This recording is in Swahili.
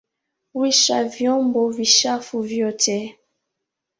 Wisha vyombo vichafu vyote.